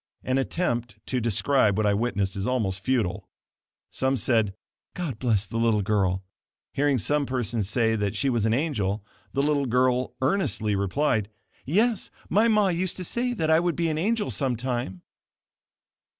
An attempt to describe what I witnessed is almost futile. Some said: "God bless the little girl." Hearing some person say that she was an angel, the little girl earnestly replied: "Yes, my ma used to say that I would be an angel some time."